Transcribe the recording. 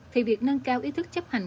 thì việc nâng cao ý thức chấp hành